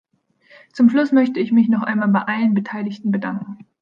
Zum Schluss möchte ich mich noch einmal bei allen Beteiligten bedanken.